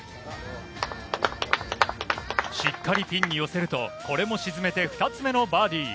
しっかりピンに寄せると、これも沈めて２つ目のバーディー。